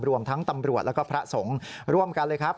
รวมทั้งตำรวจแล้วก็พระสงฆ์ร่วมกันเลยครับ